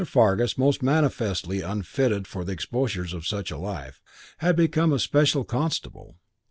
Fargus, most manifestly unfitted for the exposures of such a life, had become a special constable.